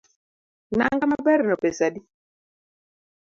Nanga maberno pesa adi?